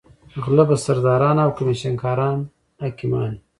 غله به سرداران او کمېشن کاران حاکمان وي.